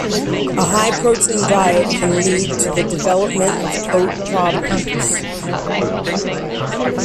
A high protein diet can lead to the development of coat problems.